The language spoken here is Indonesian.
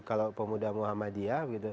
kalau pemuda muhammadiyah